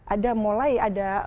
ada mulai ada